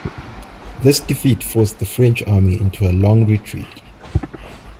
This defeat forced the French army into a long retreat.